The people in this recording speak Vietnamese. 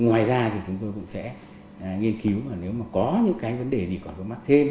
ngoài ra thì chúng tôi cũng sẽ nghiên cứu mà nếu mà có những cái vấn đề gì còn có mắc thêm